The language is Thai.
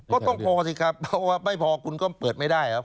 ก็ต้องพอสิครับเพราะว่าไม่พอคุณก็เปิดไม่ได้ครับ